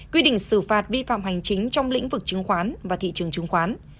quy định xử phạt vi phạm hành chính trong lĩnh vực chứng khoán và thị trường chứng khoán